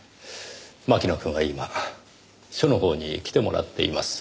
牧野くんは今署のほうに来てもらっています。